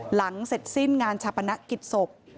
หลังเสร็จสิ้นงานชาปนกิจศพ